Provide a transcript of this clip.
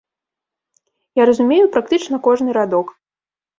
Я разумею практычна кожны радок.